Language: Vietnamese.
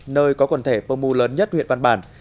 nơi có quần thể pơ mu lớn nhất huyện văn bản